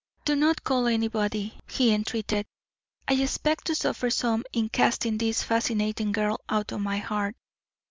"Do not call anybody," he entreated. "I expect to suffer some in casting this fascinating girl out of my heart.